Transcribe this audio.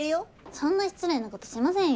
そんな失礼なことしませんよ。